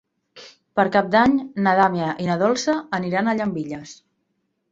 Per Cap d'Any na Damià i na Dolça aniran a Llambilles.